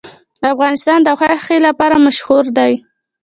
افغانستان د غوښې لپاره مشهور دی.